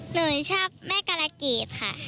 หนูชอบแม่การะเกดค่ะ